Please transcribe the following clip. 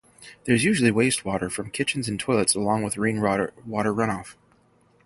There is usually wastewater from kitchens and toilets along with rainwater runoff.